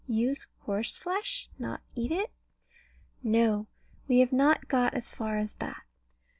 Use horseflesh? Not eat it? No; we have not got as far as that.